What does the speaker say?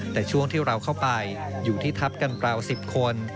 แต่ช่วงที่เราเข้าไปอยู่ที่ทัพกันราว๑๐คน